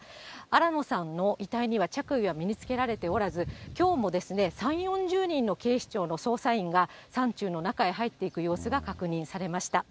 新野さんの遺体には、着衣は身につけられておらず、きょうも３、４０人の警視庁の捜査員が山中の中に入っていく様子が確認されました。